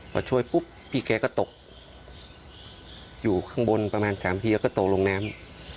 พอช่วยปุ๊บพี่แกก็ตกอยู่ข้างบนประมาณ๓ทีแล้วก็ตกลงน้ำ